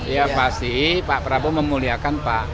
ya pasti pak prabowo memuliakan pak